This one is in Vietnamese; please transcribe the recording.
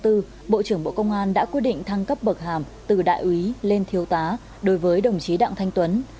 tổng bộ công an đã quyết định thăng cấp bậc hàm từ đại úy lên thiếu tá đối với đồng chí đạng thanh tuấn